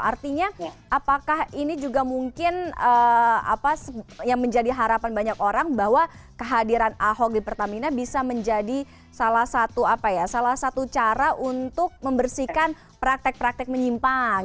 artinya apakah ini juga mungkin yang menjadi harapan banyak orang bahwa kehadiran ahok di pertamina bisa menjadi salah satu cara untuk membersihkan praktek praktek menyimpang